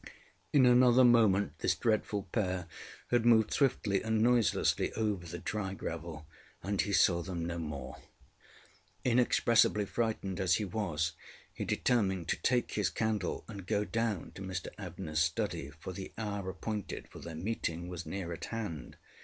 In another moment this dreadful pair had moved swiftly and noiselessly over the dry gravel, and he saw them no more. Inexpressibly frightened as he was, he determined to take his candle and go down to Mr AbneyŌĆÖs study, for the hour appointed for their meeting was near at hand.